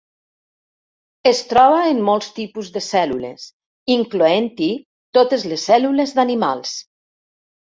Es troba en molts tipus de cèl·lules, incloent-hi totes les cèl·lules d'animals.